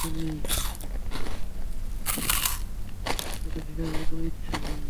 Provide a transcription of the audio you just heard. তোমার সাথে ডিনারের কোনো ইচ্ছা নেই।